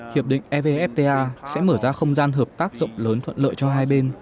hiệp định evfta sẽ mở ra không gian hợp tác rộng lớn thuận lợi cho hai bên